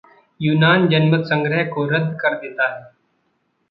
यूनान जनमत-संग्रह को रद्द कर देता है।